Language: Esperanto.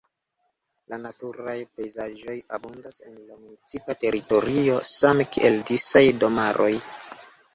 La naturaj pejzaĝoj abundas en la municipa teritorio same kiel disaj domaroj.